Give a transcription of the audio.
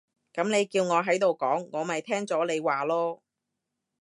噉你叫我喺度講，我咪聽咗你話囉